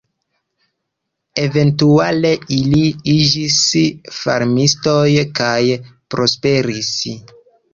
Eventuale, ili iĝis farmistoj kaj prosperis.